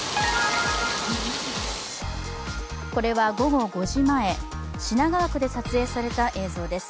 これは午後５時前、品川区で撮影された映像です。